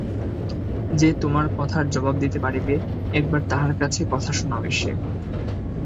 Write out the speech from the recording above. যে তোমার কথার জবাব দিতে পারিবে, একবার তাহার কাছে কথা শোনাও এসে।